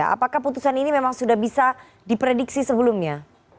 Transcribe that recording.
apakah putusan ini memang sudah bisa diprediksi sebelumnya